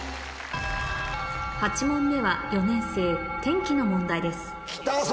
８問目は４年生天気の問題ですきた！